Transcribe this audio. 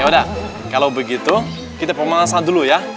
yaudah kalo begitu kita pembalasan dulu ya